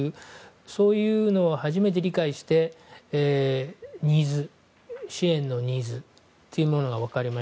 そういうのを初めて理解して支援のニーズというのもが分かります。